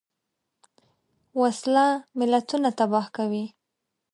وسله ملتونه تباه کوي